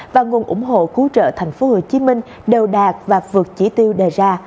và nguồn ủng hộ cứu trợ thành phố hồ chí minh đều đạt và vượt chỉ tiêu đề ra